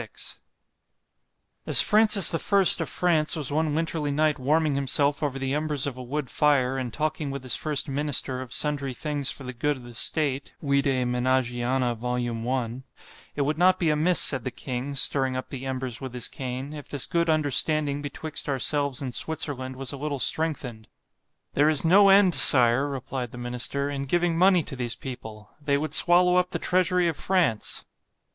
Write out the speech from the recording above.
LVI AS Francis the first of France was one winterly night warming himself over the embers of a wood fire, and talking with his first minister of sundry things for the good of the state—It would not be amiss, said the king, stirring up the embers with his cane, if this good understanding betwixt ourselves and Switzerland was a little strengthened.—There is no end, Sire, replied the minister, in giving money to these people—they would swallow up the treasury of _France.